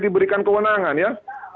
diberikan kewenangan ya